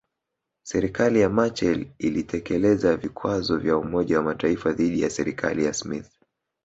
Serikali ya Machel ilitekeleza vikwazo vya Umoja wa Mataifa dhidi ya serikali ya Smith